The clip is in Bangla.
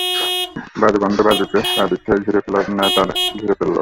বাজুবন্ধ বাজুকে চারদিক থেকে ঘিরে ফেলার ন্যায় তারা তাদের ঘিরে ফেলল।